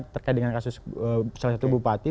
terkait dengan kasus salah satu bupati